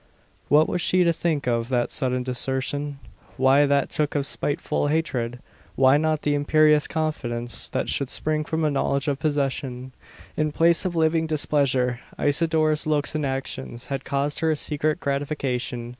What was she to think of that sudden desertion? Why that took of spiteful hatred? Why not the imperious confidence, that should spring from a knowledge of possession? In place of giving displeasure, Isidora's looks and actions had caused her a secret gratification.